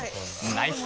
ナイス！